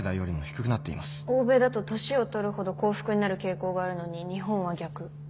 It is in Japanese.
欧米だと年をとるほど幸福になる傾向があるのに日本は逆。